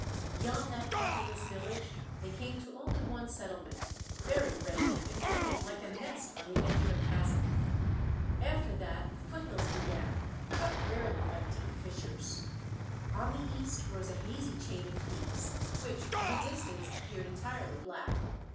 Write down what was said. Beyond that populous village they came to only one settlement, very wretched and hanging like a nest on the edge of a chasm. After that the foot hills began, cut rarely by deep fissures. On the east rose a hazy chain of peaks, which from a distance appeared entirely black.